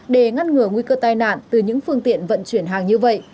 để ngăn ngừa nguy cơ tai nạn từ những phương tiện vận chuyển hàng như vậy